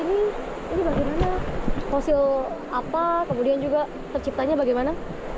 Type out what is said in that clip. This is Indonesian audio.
ini bagaimana fosil apa kemudian juga terciptanya bagaimana